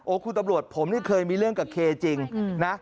คุณตำรวจผมนี่เคยมีเรื่องกับเคจริงนะ